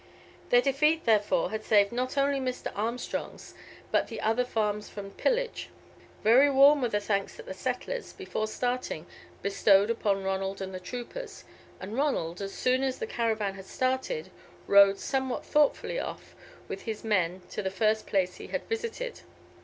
Their defeat, therefore, had saved not only Mr. Armstrong's, but the other farms from pillage. Very warm were the thanks that the settlers, before starting, bestowed upon Ronald and the troopers, and Ronald, as soon as the caravan had started, rode somewhat thoughtfully off with his men to the first place he had visited.